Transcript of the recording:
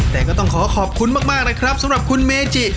แต่ก็ต้องขอขอบคุณมากนะครับสำหรับคุณเมจิ